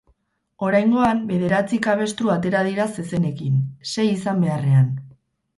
Oraingoan, bederatzi kabestru atera dira zezenekin, sei izan beharrean.